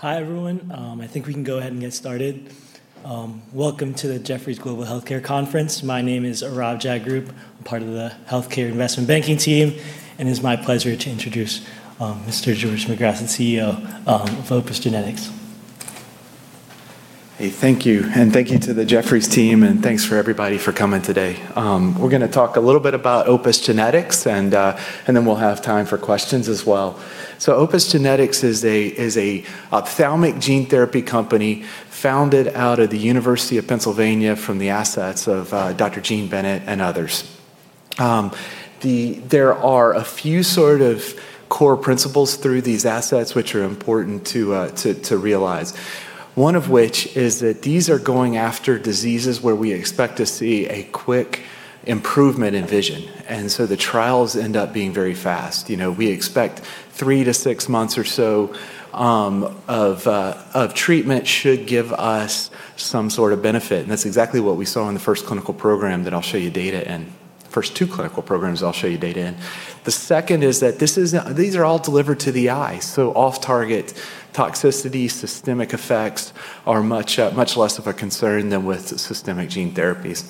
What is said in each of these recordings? Hi, everyone. I think we can go ahead and get started. Welcome to the Jefferies Global Healthcare Conference. My name is Aarav Jagrup. I'm part of the Healthcare Investment Banking team, and it is my pleasure to introduce Mr. George Magrath, the Chief Executive Officer of Opus Genetics. Hey, thank you, and thank you to the Jefferies team, and thanks for everybody for coming today. We're going to talk a little bit about Opus Genetics, and then we'll have time for questions as well. Opus Genetics is an ophthalmic gene therapy company founded out of the University of Pennsylvania from the assets of Dr. Jean Bennett and others. There are a few core principles through these assets which are important to realize. One of which is that these are going after diseases where we expect to see a quick improvement in vision, and so the trials end up being very fast. We expect three to six months or so of treatment should give us some sort of benefit, and that's exactly what we saw in the first clinical program that I'll show you data in. First two clinical programs I'll show you data in. The second is that these are all delivered to the eye, so off-target toxicity, systemic effects are much less of a concern than with systemic gene therapies.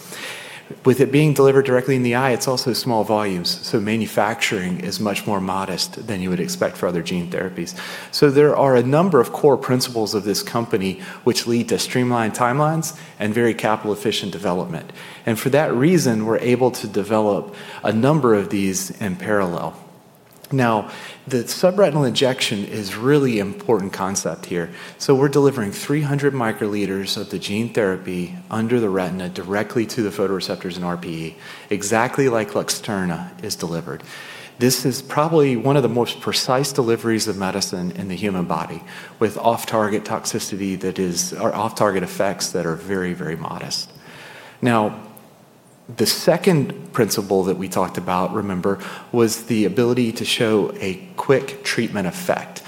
With it being delivered directly in the eye, it's also small volumes, so manufacturing is much more modest than you would expect for other gene therapies. There are a number of core principles of this company which lead to streamlined timelines and very capital-efficient development, and for that reason, we're able to develop a number of these in parallel. Now, the subretinal injection is really important concept here. We're delivering 300 μL of the gene therapy under the retina directly to the photoreceptors in RPE, exactly like LUXTURNA is delivered. This is probably one of the most precise deliveries of medicine in the human body with off-target effects that are very modest. The second principle that we talked about, remember, was the ability to show a quick treatment effect.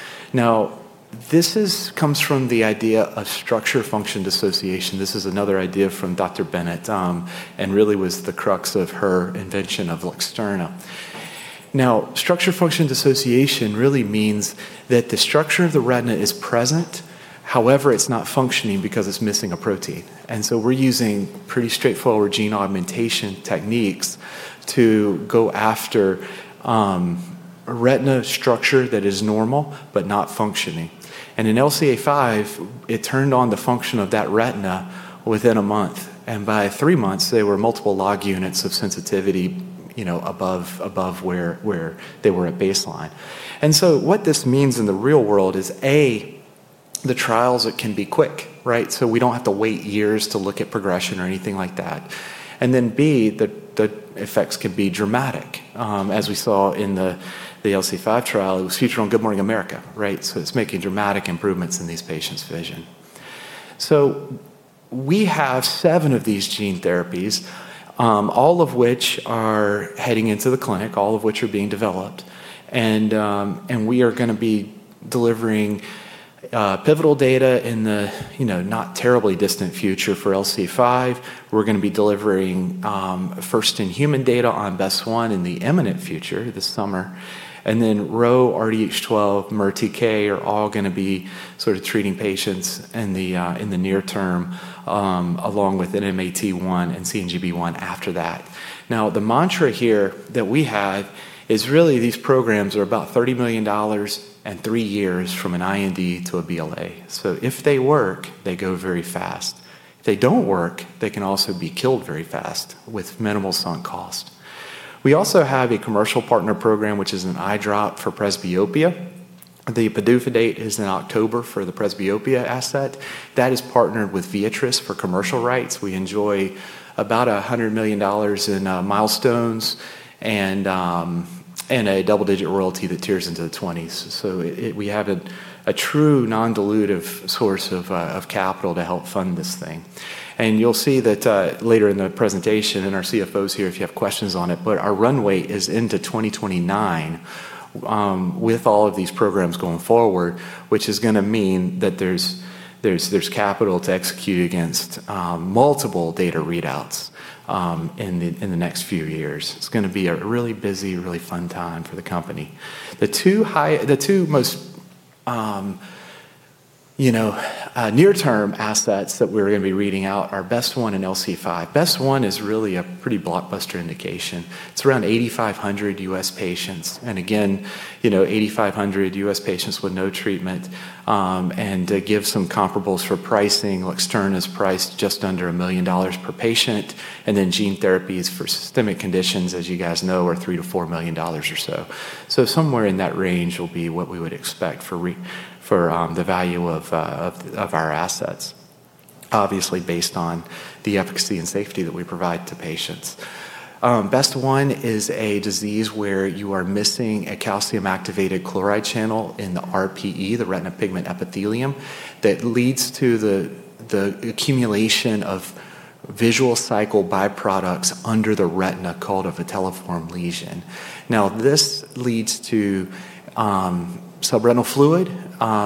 This comes from the idea of structure-function dissociation. This is another idea from Dr. Bennett, and really was the crux of her invention of LUXTURNA. Structure-function dissociation really means that the structure of the retina is present, however, it's not functioning because it's missing a protein. We're using pretty straightforward gene augmentation techniques to go after a retina structure that is normal but not functioning. In LCA5, it turned on the function of that retina within a month. By three months, there were multiple log units of sensitivity above where they were at baseline. What this means in the real world is, A, the trials can be quick. We don't have to wait years to look at progression or anything like that. Then B, the effects can be dramatic. As we saw in the LCA5 trial, it was featured on Good Morning America. It's making dramatic improvements in these patients' vision. We have seven of these gene therapies, all of which are heading into the clinic, all of which are being developed. We are going to be delivering pivotal data in the not terribly distant future for LCA5. We're going to be delivering first-in-human data on BEST1 in the imminent future, this summer. Then RHO, RDH12, MERTK are all going to be treating patients in the near term, along with NMNAT1 and CNGB1 after that. The mantra here that we have is really these programs are about $30 million and three years from an IND to a BLA. If they work, they go very fast. If they don't work, they can also be killed very fast with minimal sunk cost. We also have a commercial partner program, which is an eye drop for presbyopia. The PDUFA date is in October for the presbyopia asset. That is partnered with Viatris for commercial rights. We enjoy about $100 million in milestones and a double-digit royalty that tiers into the 20s. We have a true non-dilutive source of capital to help fund this thing. You'll see that later in the presentation, and our Chief Financial Officer is here if you have questions on it, but our runway is into 2029 with all of these programs going forward, which is going to mean that there's capital to execute against multiple data readouts in the next few years. It's going to be a really busy, really fun time for the company. The two most near-term assets that we're going to be reading out are BEST1 and LCA5. BEST1 is really a pretty blockbuster indication. It's around 8,500 U.S. patients. Again, 8,500 U.S. patients with no treatment, to give some comparables for pricing, LUXTURNA is priced just under $1 million per patient, then gene therapies for systemic conditions, as you guys know, are $3 million-$4 million or so. Somewhere in that range will be what we would expect for the value of our assets, obviously based on the efficacy and safety that we provide to patients. BEST1 is a disease where you are missing a calcium-activated chloride channel in the RPE, the retinal pigment epithelium, that leads to the accumulation of visual cycle byproducts under the retina called a vitelliform lesion. This leads to subretinal fluid,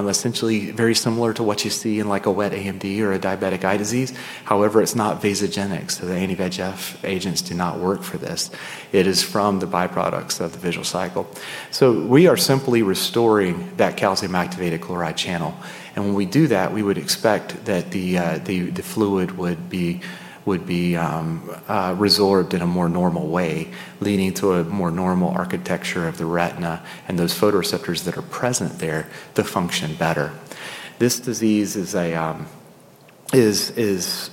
essentially very similar to what you see in a wet AMD or a diabetic eye disease. However, it's not vasogenic, so the anti-VEGF agents do not work for this. It is from the byproducts of the visual cycle. We are simply restoring that calcium-activated chloride channel. When we do that, we would expect that the fluid would be resorbed in a more normal way, leading to a more normal architecture of the retina and those photoreceptors that are present there to function better. This disease is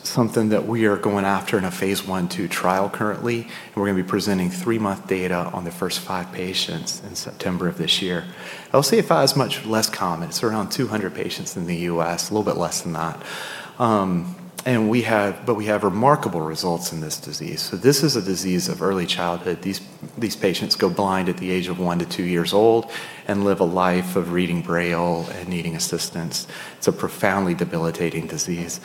something that we are going after in a phase I/II trial currently, and we're going to be presenting three-month data on the first five patients in September of this year. LCA5 is much less common. It's around 200 patients in the U.S., a little bit less than that. We have remarkable results in this disease. This is a disease of early childhood. These patients go blind at the age of one to two-years old and live a life of reading braille and needing assistance. It's a profoundly debilitating disease.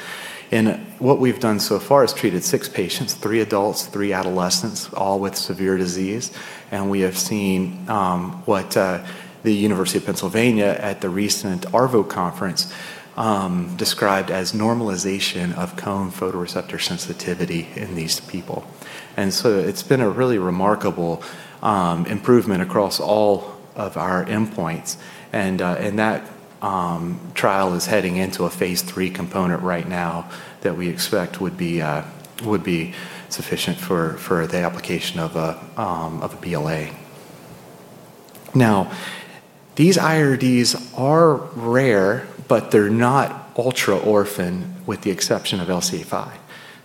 What we've done so far is treated six patients, three adults, three adolescents, all with severe disease. We have seen what the University of Pennsylvania at the recent ARVO conference described as normalization of cone photoreceptor sensitivity in these people. It's been a really remarkable improvement across all of our endpoints. That trial is heading into a phase III component right now that we expect would be sufficient for the application of a BLA. These IRDs are rare, but they're not ultra-orphan with the exception of LCA5.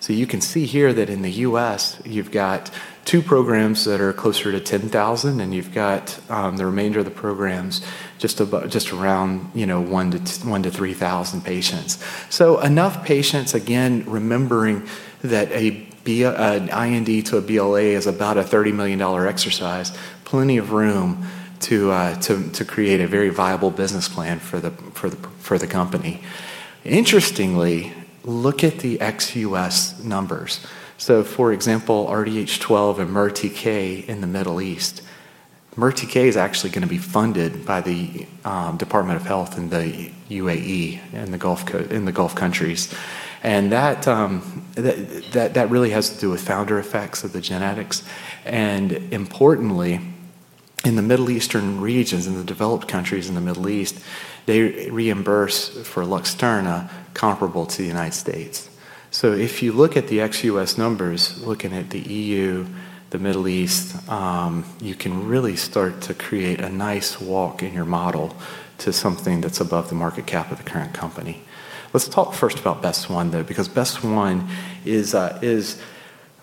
You can see here that in the U.S., you've got two programs that are closer to 10,000, and you've got the remainder of the programs just around 1,000 patients to 3,000 patients. Enough patients, again, remembering that an IND to a BLA is about a $30 million exercise, plenty of room to create a very viable business plan for the company. Interestingly, look at the ex-U.S. numbers. For example, RDH12 and MERTK in the Middle East. MERTK is actually going to be funded by the Department of Health in the U.A.E., in the Gulf countries. That really has to do with founder effects of the genetics. Importantly, in the Middle Eastern regions, in the developed countries in the Middle East, they reimburse for LUXTURNA comparable to the U.S. If you look at the ex-U.S. numbers, looking at the EU, the Middle East, you can really start to create a nice walk in your model to something that's above the market cap of the current company. Let's talk first about BEST1, though, because BEST1 is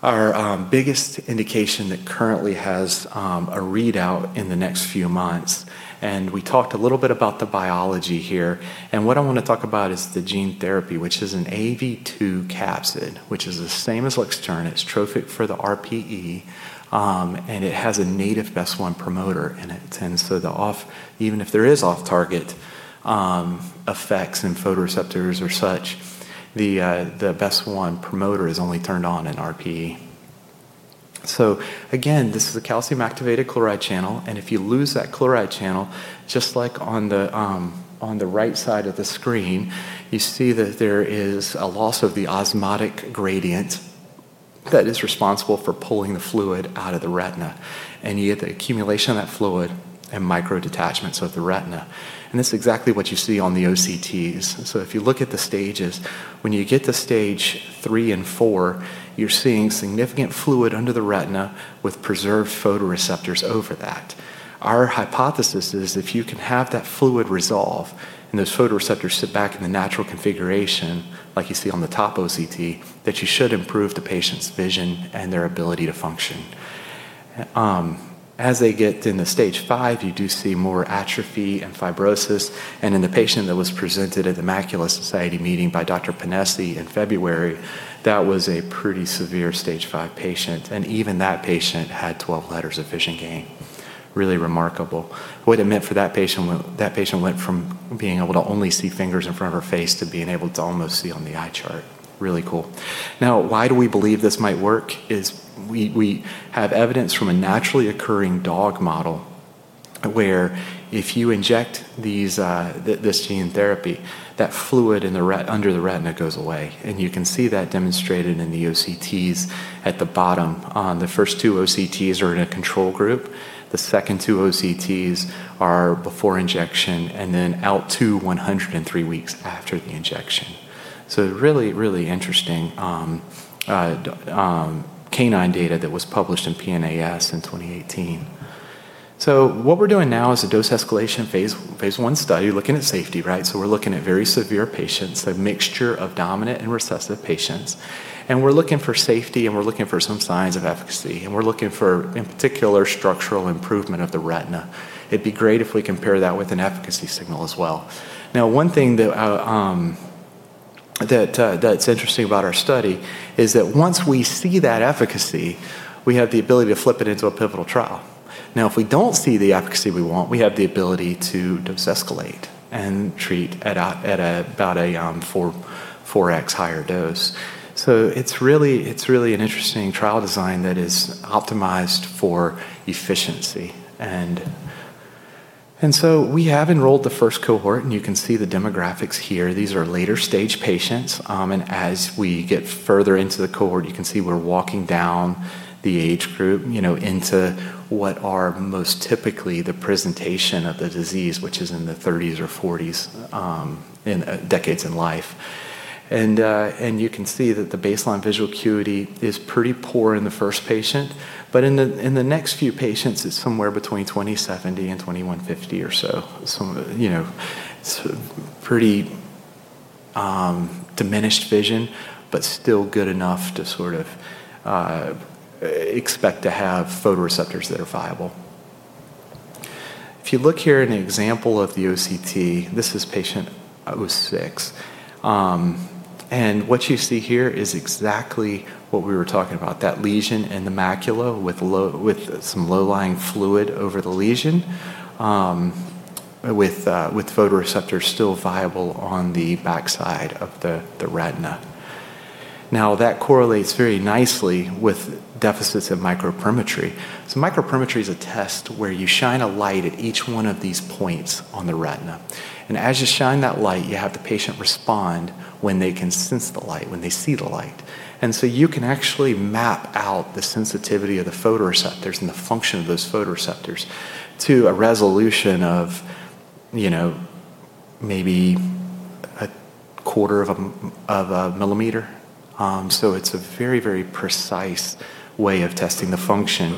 our biggest indication that currently has a readout in the next few months. We talked a little bit about the biology here. What I want to talk about is the gene therapy, which is an AAV2 capsid, which is the same as LUXTURNA. It's trophic for the RPE, and it has a native BEST1 promoter in it. Even if there is off-target effects in photoreceptors or such, the BEST1 promoter is only turned on in RPE. Again, this is a calcium-activated chloride channel, and if you lose that chloride channel, just like on the right side of the screen, you see that there is a loss of the osmotic gradient that is responsible for pulling the fluid out of the retina. You get the accumulation of that fluid and micro detachments of the retina. This is exactly what you see on the OCTs. If you look at the stages, when you get to Stage 3 and Stage 4, you're seeing significant fluid under the retina with preserved photoreceptors over that. Our hypothesis is if you can have that fluid resolve and those photoreceptors sit back in the natural configuration, like you see on the top OCT, that you should improve the patient's vision and their ability to function. As they get into Stage 5, you do see more atrophy and fibrosis. In the patient that was presented at The Macula Society meeting by Dr. Pennesi in February, that was a pretty severe Stage 5 patient, even that patient had 12 letters of vision gain. Really remarkable. What it meant for that patient, that patient went from being able to only see fingers in front of her face to being able to almost see on the eye chart. Really cool. Why do we believe this might work is we have evidence from a naturally occurring dog model where if you inject this gene therapy, that fluid under the retina goes away. You can see that demonstrated in the OCTs at the bottom. The first two OCTs are in a control group. The second two OCTs are before injection and then out to 103 weeks after the injection. Really, really interesting canine data that was published in PNAS in 2018. What we're doing now is a dose escalation phase I study looking at safety, right? We're looking at very severe patients, a mixture of dominant and recessive patients, and we're looking for safety, and we're looking for some signs of efficacy, and we're looking for, in particular, structural improvement of the retina. It'd be great if we compare that with an efficacy signal as well. One thing that's interesting about our study is that once we see that efficacy, we have the ability to flip it into a pivotal trial. If we don't see the efficacy we want, we have the ability to dose escalate and treat at about a 4x higher dose. It's really an interesting trial design that is optimized for efficiency. We have enrolled the first cohort, and you can see the demographics here. These are later-stage patients. As we get further into the cohort, you can see we're walking down the age group into what are most typically the presentation of the disease, which is in the 30s or 40s, in decades in life. You can see that the baseline visual acuity is pretty poor in the first patient, but in the next few patients, it's somewhere between 20/70 and 20/150 or so. It's pretty diminished vision, but still good enough to expect to have photoreceptors that are viable. If you look here at an example of the OCT, this is patient 06. What you see here is exactly what we were talking about. That lesion in the macula with some low-lying fluid over the lesion, with photoreceptors still viable on the backside of the retina. That correlates very nicely with deficits of microperimetry. Microperimetry is a test where you shine a light at each one of these points on the retina. As you shine that light, you have the patient respond when they can sense the light, when they see the light. You can actually map out the sensitivity of the photoreceptors and the function of those photoreceptors to a resolution of maybe a quarter of a millimeter. It's a very precise way of testing the function.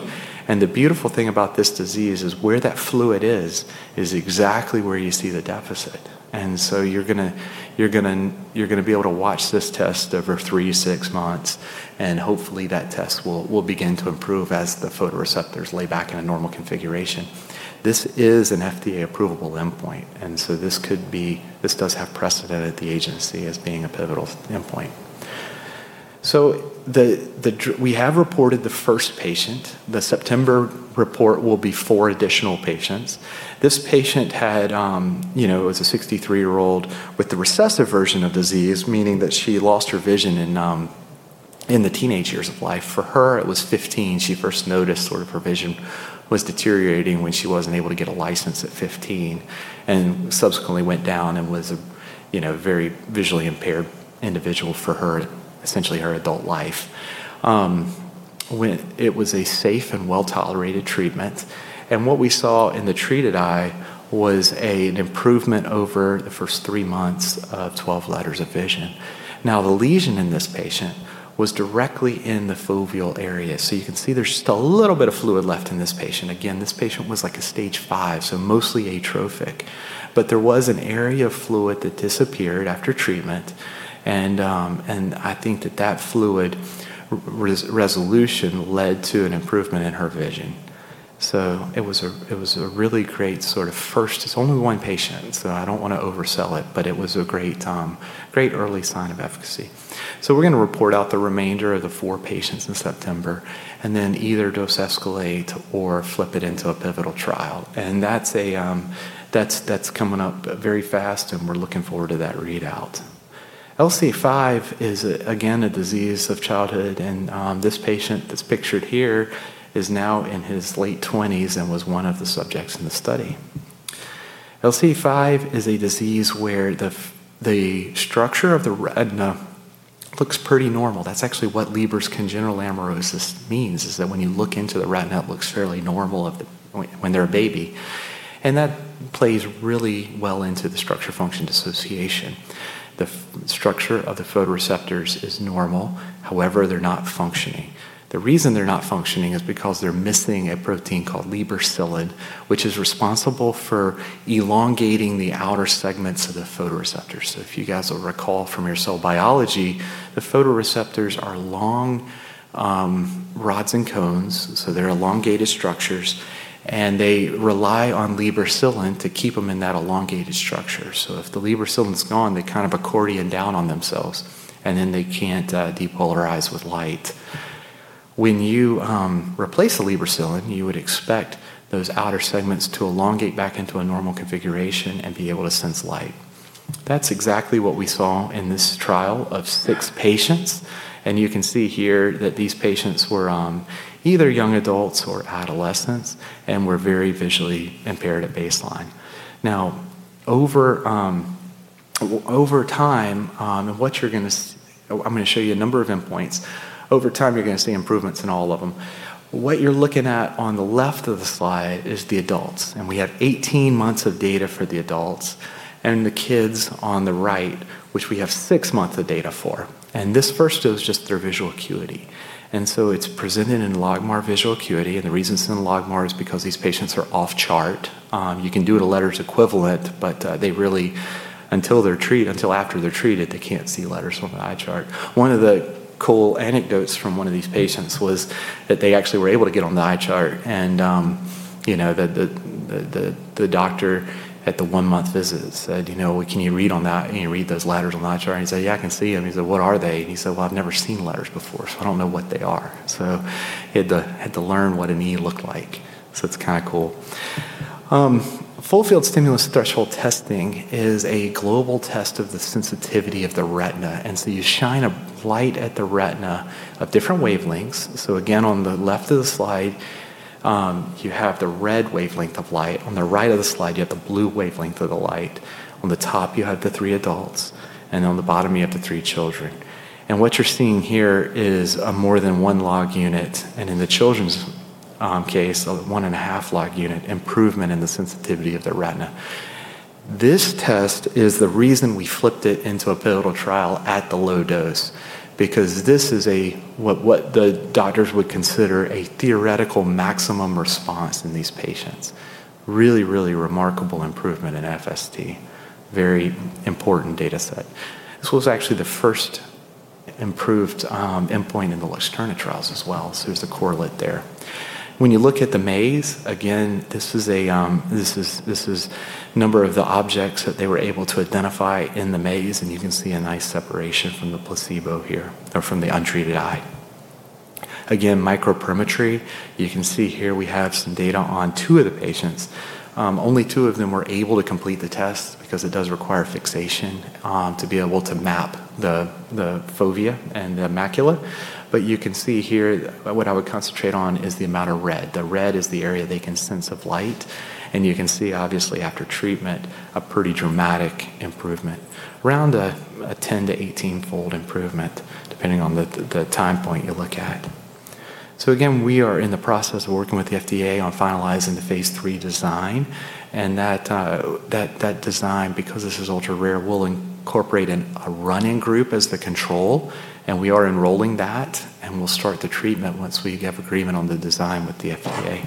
The beautiful thing about this disease is where that fluid is exactly where you see the deficit. You're going to be able to watch this test over 3 months-6 months, and hopefully that test will begin to improve as the photoreceptors lay back in a normal configuration. This is an FDA approvable endpoint, and so this does have precedent at the agency as being a pivotal endpoint. We have reported the first patient. The September report will be four additional patients. This patient was a 63-year-old with the recessive version of disease, meaning that she lost her vision in the teenage years of life. For her, it was 15 she first noticed her vision was deteriorating when she wasn't able to get a license at 15, and subsequently went down and was a very visually impaired individual for essentially her adult life. It was a safe and well-tolerated treatment. What we saw in the treated eye was an improvement over the first three months of 12 letters of vision. Now, the lesion in this patient was directly in the foveal area. You can see there's just a little bit of fluid left in this patient. Again, this patient was like a Stage 5, so mostly atrophic. There was an area of fluid that disappeared after treatment, and I think that that fluid resolution led to an improvement in her vision. It was a really great first. It's only one patient, so I don't want to oversell it, but it was a great early sign of efficacy. We're going to report out the remainder of the four patients in September, and then either dose escalate or flip it into a pivotal trial. That's coming up very fast, and we're looking forward to that readout. LCA5 is, again, a disease of childhood, and this patient that's pictured here is now in his late 20s and was one of the subjects in the study. LCA5 is a disease where the structure of the retina looks pretty normal. That's actually what Leber congenital amaurosis means, is that when you look into the retina, it looks fairly normal when they're a baby. That plays really well into the structure-function dissociation. The structure of the photoreceptors is normal. However, they're not functioning. The reason they're not functioning is because they're missing a protein called lebercilin, which is responsible for elongating the outer segments of the photoreceptors. If you guys will recall from your cell biology, the photoreceptors are long rods and cones, so they're elongated structures, and they rely on lebercilin to keep them in that elongated structure. If the lebercilin is gone, they kind of accordion down on themselves, and then they can't depolarize with light. When you replace the lebercilin, you would expect those outer segments to elongate back into a normal configuration and be able to sense light. That's exactly what we saw in this trial of 6 patients, and you can see here that these patients were either young adults or adolescents and were very visually impaired at baseline. Over time, I'm going to show you a number of endpoints. Over time, you're going to see improvements in all of them. What you're looking at on the left of the slide is the adults, and we have 18 months of data for the adults, and the kids on the right, which we have 6 months of data for. This first is just their visual acuity It's presented in LogMAR visual acuity, and the reason it's in LogMAR is because these patients are off-chart. You can do it in letters equivalent, but really, until after they're treated, they can't see letters on the eye chart. One of the cool anecdotes from one of these patients was that they actually were able to get on the eye chart, and the doctor at the one-month visit said, can you read those letters on the eye chart? He said, yeah, I can see them. He said, what are they? He said, well, I've never seen letters before, so I don't know what they are. He had to learn what an E looked like. It's kind of cool. Full-field stimulus threshold testing is a global test of the sensitivity of the retina. You shine a light at the retina of different wavelengths. On the left of the slide, you have the red wavelength of light. On the right of the slide, you have the blue wavelength of the light. On the top, you have the three adults, and on the bottom, you have the three children. What you're seeing here is a more than 1 log unit, and in the children's case, a 1.5 log unit improvement in the sensitivity of their retina. This test is the reason we flipped it into a pivotal trial at the low dose, because this is what the doctors would consider a theoretical maximum response in these patients. Really remarkable improvement in FST. Very important data set. This was actually the first improved endpoint in the LUXTURNA trials as well, so there's a correlate there. You look at the maze, again, this is number of the objects that they were able to identify in the maze, and you can see a nice separation from the placebo here or from the untreated eye. Again, microperimetry. You can see here we have some data on two of the patients. Only two of them were able to complete the test because it does require fixation to be able to map the fovea and the macula. You can see here, what I would concentrate on is the amount of red. The red is the area they can sense of light, and you can see, obviously, after treatment, a pretty dramatic improvement. Around a 10 fold-18-fold improvement, depending on the time point you look at. Again, we are in the process of working with the FDA on finalizing the phase III design, and that design, because this is ultra rare, will incorporate a run-in group as the control, and we are enrolling that, and we'll start the treatment once we have agreement on the design with the FDA.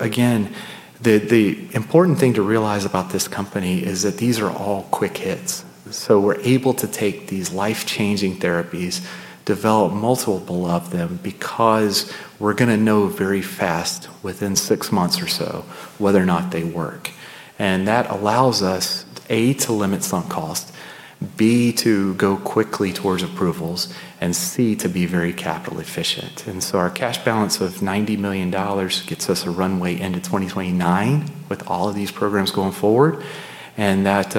Again, the important thing to realize about this company is that these are all quick hits. we're able to take these life-changing therapies, develop multiple of them because we're going to know very fast, within six months or so, whether or not they work. That allows us, A, to limit some cost, B, to go quickly towards approvals, and C, to be very capital efficient. Our cash balance of $90 million gets us a runway into 2029 with all of these programs going forward. That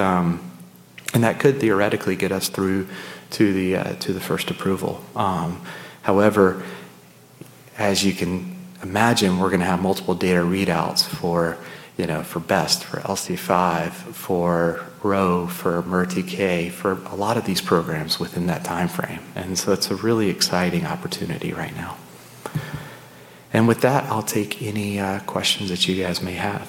could theoretically get us through to the first approval. However, as you can imagine, we're going to have multiple data readouts for BEST1, for LCA5, for RHO, for MERTK, for a lot of these programs within that timeframe. It's a really exciting opportunity right now. With that, I'll take any questions that you guys may have.